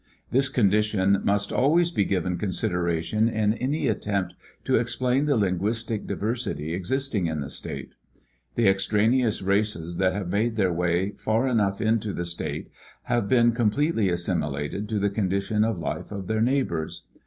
This condition must always be given consideration in any attempt to explain the linguistic diversity existing in the state. The extraneous races that have made their way far enough into the state have been completely assimilated to the condition of life of their neighbors.